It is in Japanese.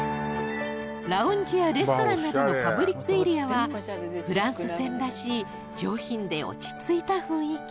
ラウンジやレストランなどのパブリックエリアはフランス船らしい上品で落ち着いた雰囲気